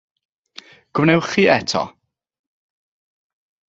Gwnewch hi eto!